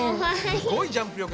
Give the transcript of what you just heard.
すごいジャンプ力だね。